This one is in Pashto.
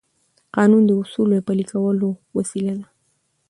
قانون د اصولو د پلي کولو وسیله ده.